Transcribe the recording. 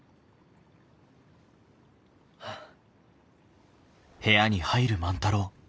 はあ。